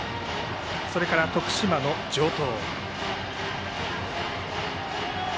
それから徳島の城東。